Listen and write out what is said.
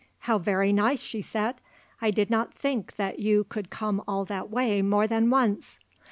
"How very nice," she said. "I did not think that you could come all that way more than once."